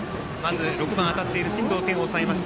当たっている進藤天を抑えました。